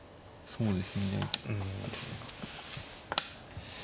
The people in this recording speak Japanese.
そうですね。